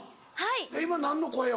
今何の声を？